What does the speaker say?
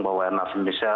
bahwa airnav indonesia